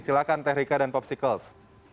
silakan teh rika dan popsicles